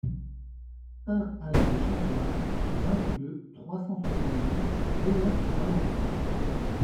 un allée des Chantoirs, vingt-deux, trois cent soixante-dix, Pléneuf-Val-André